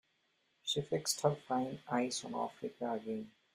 She fixed her fine eyes on Africa again.